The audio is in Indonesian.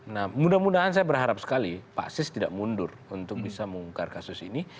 nah mudah mudahan saya berharap sekali pak sis tidak mundur untuk bisa mengungkap kasus ini